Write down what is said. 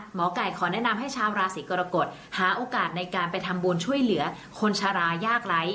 หมอไก่ขอแนะนำให้ชาวราศีกรกฎหาโอกาสในการไปทำบุญช่วยเหลือคนชะลายากไร้